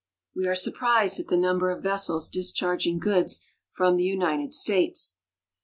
We are surprised at the number of vessels discharging goods from the United States.